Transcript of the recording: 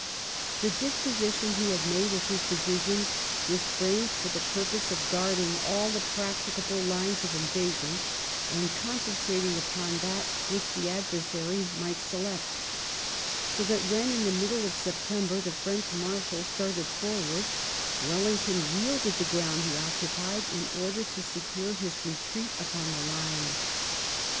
The disposition he had made of his divisions was framed for the purpose of guarding all the practicable lines of invasion, and concentrating upon that which the ad versary might select So that when, in the middle of September, the French Marshal started forward, Wel lington yielded the ground he occupied in order to secure his retreat upon the Lines.